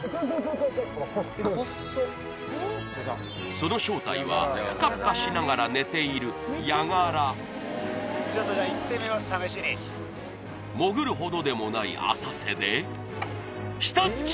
その正体はプカプカしながら寝ているヤガラ潜るほどでもない浅瀬で一突き！